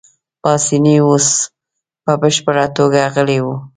پاسیني اوس په بشپړه توګه غلی وو.